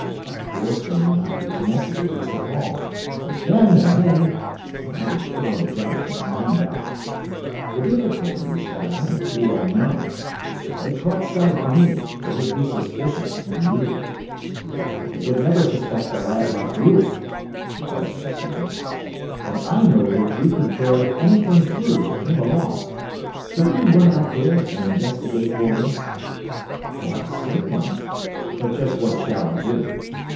Of course they may not be connected with this at all, but again they may; and I was put on the job to find out. The difficulty is that I am too well known. If they caught sight of me, they would be suspicious immediately. "But they would never suspect a lad like you," West proceeded; "and I know you could carry anything through that came along. So will you run out there and investigate for me?" "Why, certainly. But just what shall I do?"